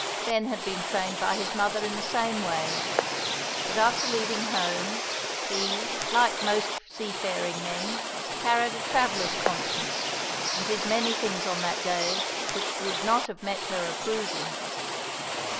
Ben had been trained by his mother in the same way; but, after leaving home, he, like most seafaring men, carried a traveller's conscience, and did many things on that day which would not have met her approval.